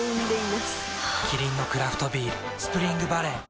キリンのクラフトビール「スプリングバレー」